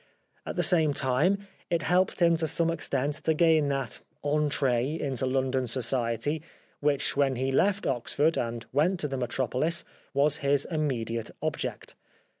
At the same time it helped him to some extent to gain that entree i66 The Life of Oscar Wilde into London society which when he left Oxford and went to the metropohs was his immediate object.